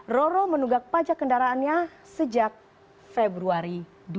roro menunggak pajak kendaraannya sejak februari dua ribu lima belas